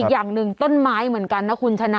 อย่างหนึ่งต้นไม้เหมือนกันนะคุณชนะ